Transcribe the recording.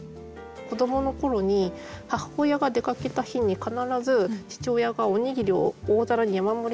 子どもの頃に母親が出かけた日に必ず父親がおにぎりを大皿に山盛り作ってくれていて。